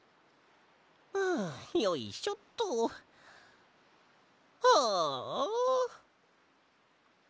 はあよいしょっと。はああ。